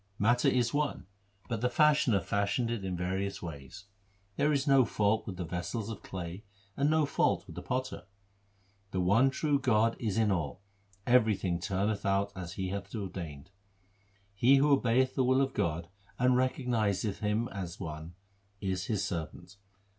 ► Matter is one, but the Fashioner fashioned it in various ways. There is no fault with the vessels of clay and no fault with the Potter. 2 The one true God is in all ; everything turneth out as He hath ordained. He who obeyeth the will of God and recognizeth Him as one, is His servant.